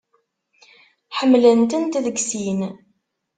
Ḥemmlent-tent deg sin.